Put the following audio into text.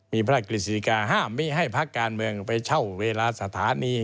มีพระกฤษิกาห้ามให้ภักดิ์การเมืองไปเช่าเวลาสถานี